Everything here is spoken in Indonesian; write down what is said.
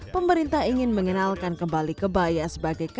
pemerintah ingin mengenalkan kembali kebaya sebagai kota